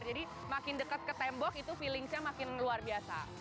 jadi makin dekat ke tembok itu feelingsnya makin luar biasa